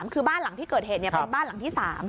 คือบ้านหลังที่เกิดเหตุเป็นบ้านหลังที่๓